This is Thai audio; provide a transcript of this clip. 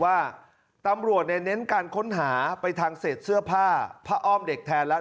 ว่าตำรวจเน้นการค้นหาไปทางเศษเสื้อผ้าผ้าอ้อมเด็กแทนแล้ว